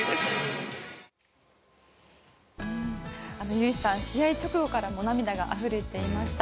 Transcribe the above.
唯さん、試合直後から涙があふれていました。